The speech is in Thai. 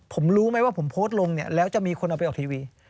ผมรู้ไหมว่าผมโพสต์ลงเนี่ยแล้วจะมีคนเอาไปออกทีวี